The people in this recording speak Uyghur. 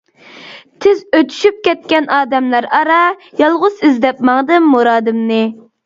تىز ئۆتۈشۈپ كەتكەن ئادەملەر ئارا، يالغۇز ئىزدەپ ماڭدىم مۇرادىمنى.